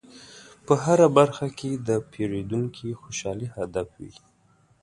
په هره برخه کې د پیرودونکي خوشحالي هدف وي.